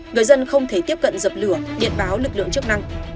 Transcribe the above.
người dân không thể tiếp cận dập lửa điện báo lực lượng chức năng